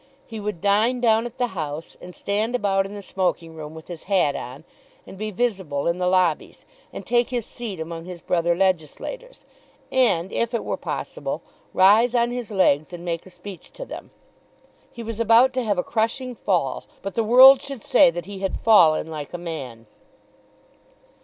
He would dine down at the House, and stand about in the smoking room with his hat on, and be visible in the lobbies, and take his seat among his brother legislators, and, if it were possible, rise on his legs and make a speech to them. He was about to have a crushing fall, but the world should say that he had fallen like a man.